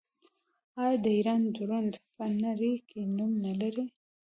آیا د ایران ډرون په نړۍ کې نوم نلري؟